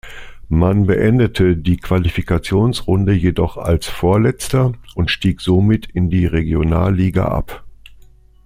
Man beendete die Qualifikationsrunde jedoch als Vorletzter und stieg somit in die Regionalliga ab.